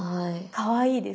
かわいいです。